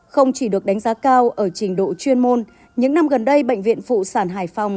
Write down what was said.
không chỉ được đánh giá cao ở trình độ chuyên môn những năm gần đây bệnh viện phụ sản hải phòng